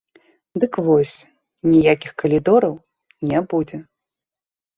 Дык вось, ніякіх калідораў не будзе.